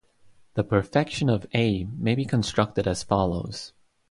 The perfection of "A" may be constructed as follows.